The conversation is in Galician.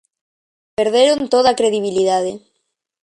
Perderon toda a credibilidade.